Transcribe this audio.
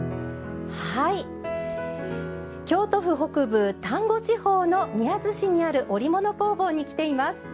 京都府北部、丹後地方の宮津市にある織物工房に来ています。